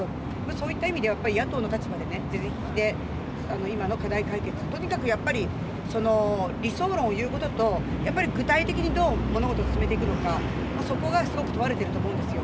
そういった意味では野党の立場でね、是々非々で、今の課題解決、とにかくやっぱり理想論を言うことと、具体的にどう物事を進めていくのか、そこがすごく問われているところですよ。